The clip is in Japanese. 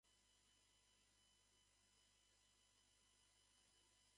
ちょっと待って。なんかそれ、違う気がするわ。